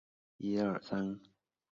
家里的童养媳